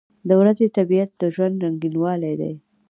• د ورځې طبیعت د ژوند رنګینوالی دی.